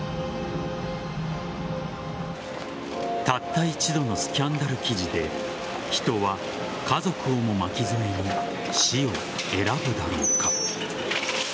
たった一度のスキャンダル記事で人は家族をも巻き添えに死を選ぶだろうか。